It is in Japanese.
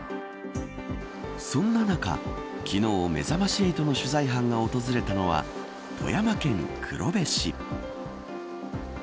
そんな中昨日、めざまし８の取材班が訪れたのは富山県黒部市。